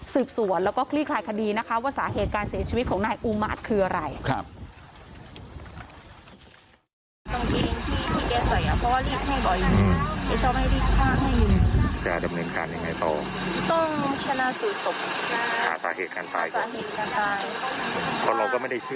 สืบสวนแล้วก็คลี่คลายคดีนะคะว่าสาเหตุการเสียชีวิตของนายอูมาตรคืออะไร